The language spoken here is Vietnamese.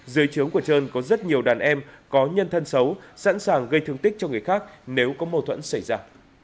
dưới trướng của trơn có rất nhiều đàn em có nhân thân xấu sẵn sàng gây thương tích cho người khác nếu có mâu thuẫn xảy ra